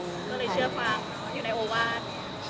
ก็เลยเชื่อฟังอยู่ในโอวาส